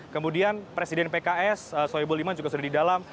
kemudian presiden pks soebul iman juga sudah di dalam